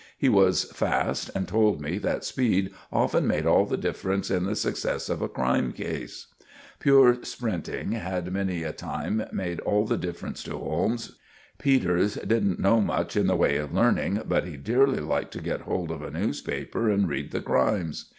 He was fast, and told me that speed often made all the difference to the success of a criminal case. Pure sprinting had many a time made all the difference to Holmes. Peters didn't know much in the way of learning, but he dearly liked to get hold of a newspaper and read the crimes.